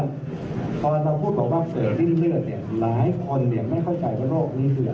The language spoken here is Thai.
ตอนเราพูดว่าเกิดริ่มเลือด